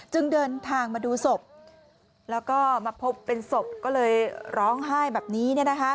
เดินทางมาดูศพแล้วก็มาพบเป็นศพก็เลยร้องไห้แบบนี้